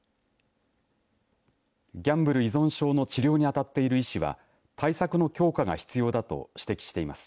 ギャンブル依存症の治療に当たっている医師は対策の強化が必要だと指摘しています。